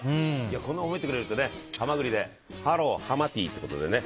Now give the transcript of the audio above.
こんな褒めてくれるとハマグリでハロー、ハマティということでね。